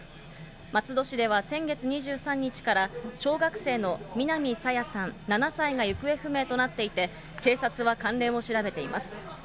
松戸市では先月２３日から小学生の南朝芽さん７歳が行方不明となっていて、警察は関連を調べています。